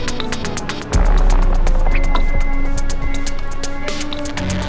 ayo langsung dibawa ke dalam ya